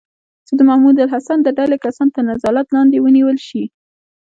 چې د محمود الحسن د ډلې کسان تر نظارت لاندې ونیول شي.